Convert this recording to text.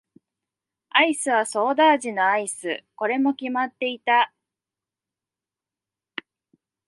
アイスはソーダ味のアイス。これも決まっていた。